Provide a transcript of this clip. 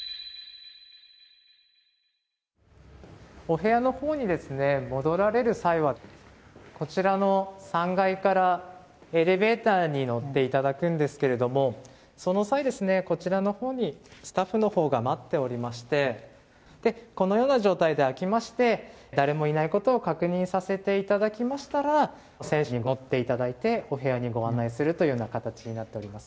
お部屋のほうに戻られる際は、こちらの３階からエレベーターに乗っていただくんですけれども、その際、こちらのほうにスタッフのほうが待っておりまして、このような状態で開きまして、誰もいないことを確認させていただきましたら、選手に乗っていただいてお部屋にご案内するというような形になっております。